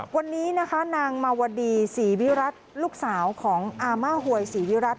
วันนี้นะคะนางมาวดีศรีวิรัติลูกสาวของอาม่าหวยศรีวิรัติ